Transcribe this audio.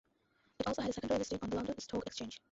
It also had a secondary listing on the London Stock Exchange.